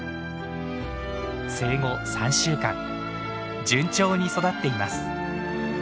生後３週間順調に育っています。